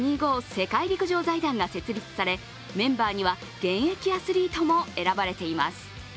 世界陸上財団が設立され、メンバーには現役アスリートも選ばれています。